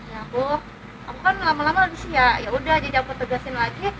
ya boh aku kan lama lama abisnya yaudah jadi aku tegasin lagi